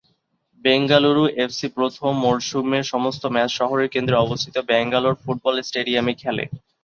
Bengaluru FC প্রথম মরসুমের সমস্ত ম্যাচ শহরের কেন্দ্রে অবস্থিত ব্যাঙ্গালোর ফুটবল স্টেডিয়ামে খেলে।